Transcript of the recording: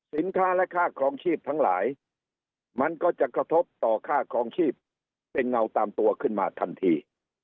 สินค้าและค่าครองชีพทั้งหลายมันก็จะกระทบต่อค่าครองชีพเป็นเงาตามตัวขึ้นมาทันที